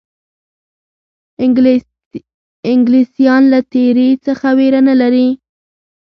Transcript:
انګلیسیان له تېري څخه وېره نه لري.